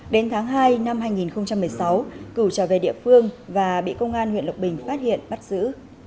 đến tháng hai năm hai nghìn một mươi sáu cửu trở về địa phương và bị công an huyện lộc bình phát hiện bắt giữ